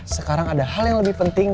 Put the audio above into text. sekarang ada hal yang lebih penting